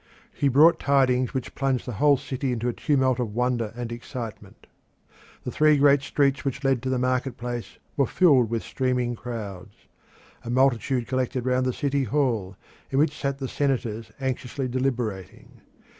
He brought tidings which plunged the whole city in a tumult of wonder and excitement. The three great streets which led to the market place were filled with streaming crowds. A multitude collected round the city hall, in which sat the senators anxiously deliberating.